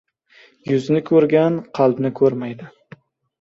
• Yuzni ko‘rgan qalbni ko‘rmaydi.